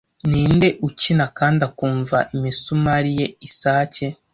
ninde ukina kandi akumva imisumari ye isake